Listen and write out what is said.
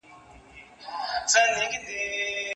نیمګړي عمر ته مي ورځي د پېغور پاته دي